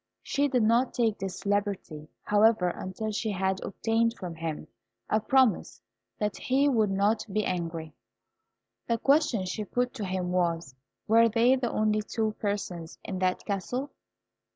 She did not take this liberty, however, until she had obtained from him a promise that he would not be angry. The question she put to him was, "Were they the only two persons in that castle?"